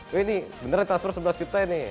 wih ini beneran transfer rp sebelas juta ini